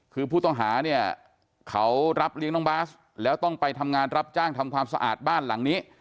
คือผู้ต้องหาเนี่ยเขารับเลี้ยงน้องบาสแล้วต้องไปทำงานรับจ้างทำความสะอาดบ้านหลังนี้